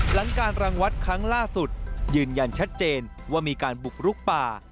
หลังการรังวัดครั้งล่าสุดยืนยันชัดเจนว่ามีการบุกลุกป่า